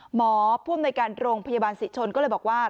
หมอผู้อำนวยการโรงพยาบาลศรีชนก็เลยบอกว่า